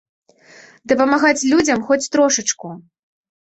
Дапамагаць людзям, хоць трошачку.